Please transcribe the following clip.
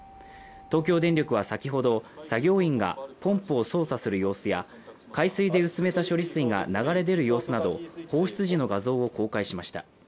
東京電力は先ほど作業員がポンプを操作する様子や海水で薄めた処理水が流れ出る様子など放出時の画像を公開しました。